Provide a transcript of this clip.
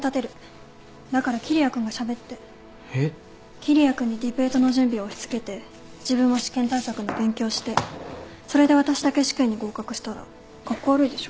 桐矢君にディベートの準備押し付けて自分は試験対策の勉強してそれで私だけ試験に合格したらカッコ悪いでしょ